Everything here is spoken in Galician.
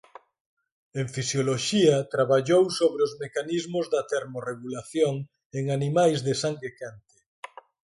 En fisioloxía traballou sobre os mecanismos da termorregulación en animais de sangue quente.